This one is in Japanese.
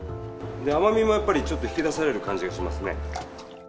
甘みもやっぱりちょっと引き出される感じがしますね。